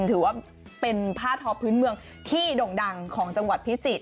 ถือว่าเป็นผ้าทอพื้นเมืองที่ด่งดังของจังหวัดพิจิตร